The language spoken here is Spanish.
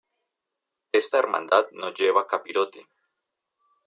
Esta Hermandad no lleva capirote.